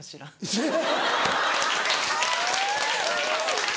えっ？